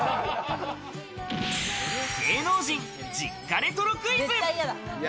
芸能人実家レトロクイズ。